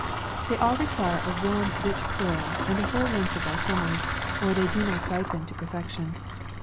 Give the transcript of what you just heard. They all require a warm, rich soil, and the whole length of our summers, or they do not ripen to perfection.